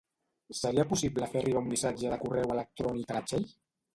Seria possible fer arribar un missatge de correu electrònic a la Txell?